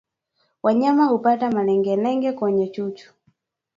Wanyama hupata malengelenge kwenye chuchu